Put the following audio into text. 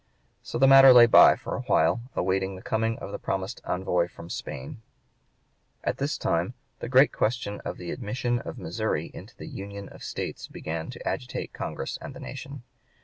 So the matter lay by for a while, awaiting the coming of the promised envoy from Spain. At this time the great question of the admission of Missouri into (p. 119) the Union of States began to agitate Congress and the nation.